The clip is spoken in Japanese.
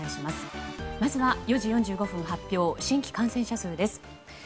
まずは４時４５分発表新規感染者数です。